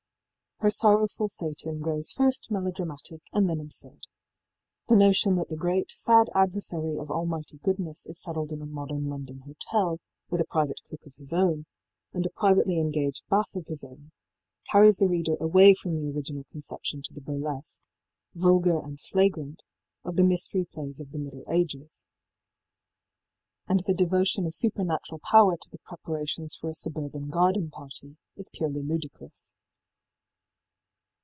Her sorrowful Satan grows first melodramatic and then absurd. The notion that the great sad adversary of Almighty Goodness is settled in a modern London hotel, with a private cook of his own, and a privately engaged bath of his own, carries the reader away from the original conception to the burlesque vulgar and flagrant of the mystery plays of the Middle Ages; and the devotion of supernatural power to the preparations for a suburban garden party is purely ludicrous.